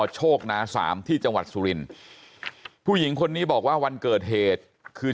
โชคนาสามที่จังหวัดสุรินทร์ผู้หญิงคนนี้บอกว่าวันเกิดเหตุคือ